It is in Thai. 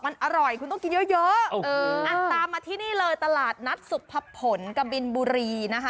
มันอร่อยคุณต้องกินเยอะเยอะอ่ะตามมาที่นี่เลยตลาดนัดสุภพลกบินบุรีนะคะ